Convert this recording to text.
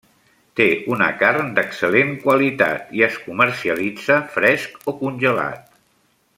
Té una carn d'excel·lent qualitat i es comercialitza fresc o congelat.